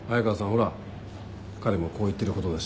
ほら彼もこう言ってることだし。